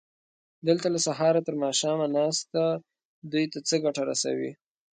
دلته له سهاره تر ماښامه ناسته دوی ته څه ګټه رسوي؟